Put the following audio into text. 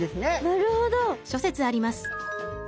なるほど。